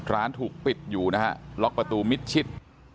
ร้านถูกปิดอยู่นะฮะล็อกประตูมิดชิด